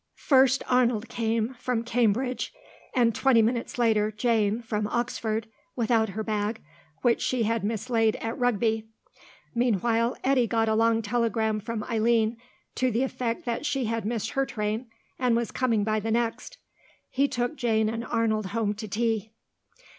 First Arnold came, from Cambridge, and twenty minutes later Jane, from Oxford, without her bag, which she had mislaid at Rugby. Meanwhile Eddy got a long telegram from Eileen to the effect that she had missed her train and was coming by the next. He took Jane and Arnold home to tea.